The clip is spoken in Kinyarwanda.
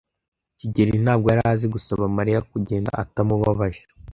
kigeli ntabwo yari azi gusaba Mariya kugenda atamubabaje.